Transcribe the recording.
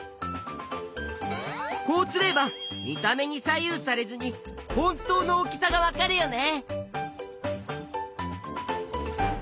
こうすれば見た目に左右されずに本当の大きさがわかるよね。